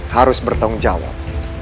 harus bertanggung jawab